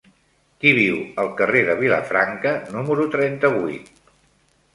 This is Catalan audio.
Qui viu al carrer de Vilafranca número trenta-vuit?